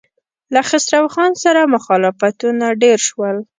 له خسرو خان سره مخالفتونه ډېر شول.